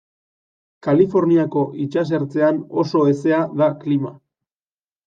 Kaliforniako itsasertzean oso hezea da klima.